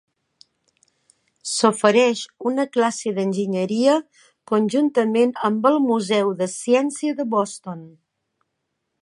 S'ofereix una classe d'enginyeria conjuntament amb el Museu de Ciència de Boston.